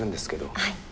はい。